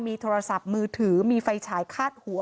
มีโทรศัพท์มือถือมีไฟฉายคาดหัว